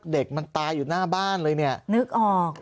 เด็กมันตายอยู่หน้าบ้านเลยเนี่ยนึกออก